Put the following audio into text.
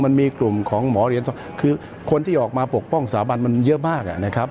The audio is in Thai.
มันมีกลุ่มของหมอเหรียญทองคือคนที่ออกมาปกป้องสถาบันมันเยอะมากนะครับ